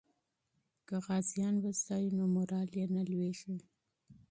که غازیان وستایو نو مورال نه لویږي.